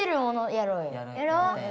やろう！